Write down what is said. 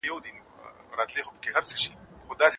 د ماشومانو خوشحالی ژوند د ادبیاتو سره اړیکه لري.